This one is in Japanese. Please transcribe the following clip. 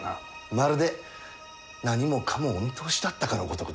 まるで何もかもお見通しだったかのごとくですなあ。